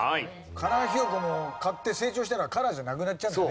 カラーひよこも買って成長したらカラーじゃなくなっちゃうんだよ。